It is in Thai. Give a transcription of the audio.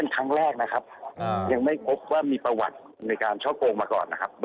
ก่อเหตุครั้งนี้เป็นครั้งแรกนะครับ